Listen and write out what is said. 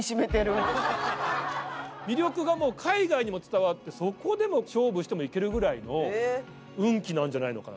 魅力がもう海外にも伝わってそこでも勝負してもいけるぐらいの運気なんじゃないのかな